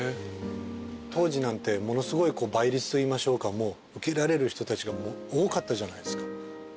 当時なんてものすごい倍率といいましょうか受けられる人たちが多かったじゃないですか。